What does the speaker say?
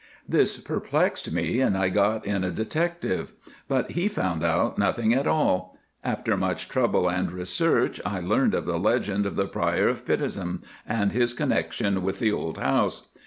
"This perplexed me, and I got in a detective; but he found out nothing at all. After much trouble and research I learned of the legend of the Prior of Pittenweem and his connection with the old house.